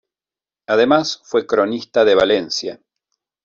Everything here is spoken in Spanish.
Además, fue cronista de Valencia.